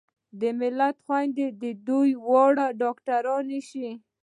د ملت خويندې دې واړه ډاکترانې شي